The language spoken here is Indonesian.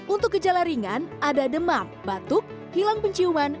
untuk gejala ringan ada demam batuk hilang penciuman